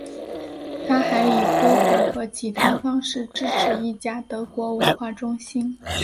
他还以拨款和其他方式支持一家德国文化中心。